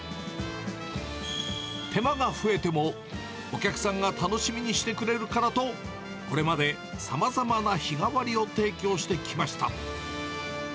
手間が増えても、お客さんが楽しみにしてくれるからと、これまでさまざまな日替わりを提供してきました。